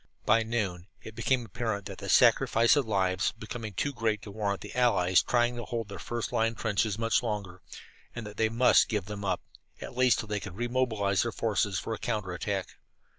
By noon it became apparent that the sacrifice of lives was becoming too great to warrant the Allies trying to hold their first line trenches much longer, and that they must give them up, at least until they could re mobilize their forces for a counter attack.